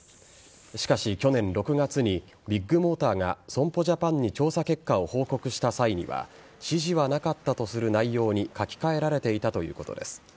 しかし、去年６月にビッグモーターが損保ジャパンに調査結果を報告した際には指示はなかったとする内容に書き換えられていたということです。